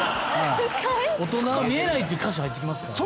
大人は見えないっていう歌詞入ってきますからね。